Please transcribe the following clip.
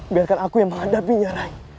biarkan aku yang menghadapinya rai